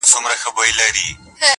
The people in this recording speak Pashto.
سرکښي یې له ازله په نصیب د تندي سوله,